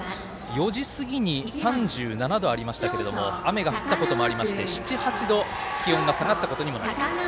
４時過ぎに３７度ありましたけれども雨が降ったこともありまして７８度、気温が下がったことにもなります。